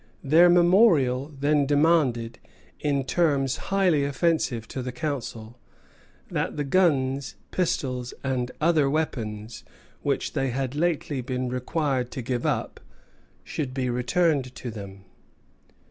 Their memorial then demanded, in terms highly offensive to the Council, that the guns, pistols, and other weapons, which they had lately been required to give up, should be returned to them.